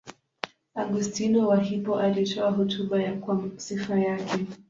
Augustino wa Hippo alitoa hotuba kwa sifa yake.